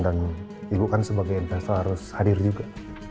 dan ibu kan sebagai investor harus hadir juga